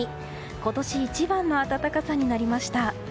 今年一番の暖かさになりました。